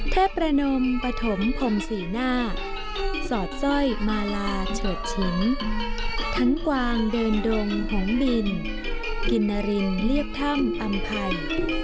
เทประนมปฐมผมสี่หน้าสอดส้อยมาลาเฉิดชิ้นถั้งกวางเดินดงหงบินกินนรินเรียกถ้ำอำไพร